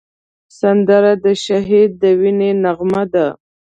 سندره د شهید د وینې نغمه ده